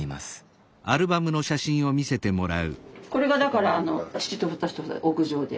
これがだから父と私と屋上で。